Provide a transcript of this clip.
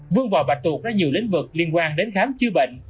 vương vò bạch tuột ra nhiều lĩnh vực liên quan đến khám chứa bệnh